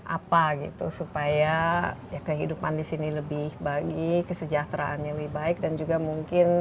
apa gitu supaya ya kehidupan di sini lebih bagi kesejahteraannya lebih baik dan juga mungkin